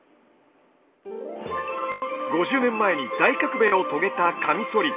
５０年前に大革命を遂げたカミソリ。